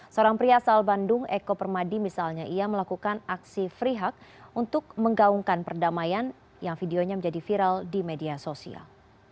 seorang pria asal bandung eko permadi misalnya ia melakukan aksi free hug untuk menggaungkan perdamaian yang videonya menjadi viral di media sosial